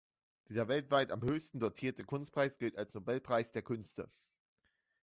Dieser weltweit am höchsten dotierte Kunstpreis gilt als Nobelpreis der Künste.